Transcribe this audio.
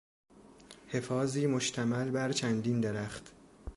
حفاظی مشتمل بر چندین درخت